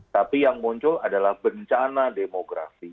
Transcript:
tapi yang muncul adalah bencana demografi